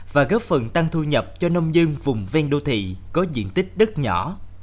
và góp phần tăng thu nhập cho nông dân vùng ven đô thị có diện tích đất nhỏ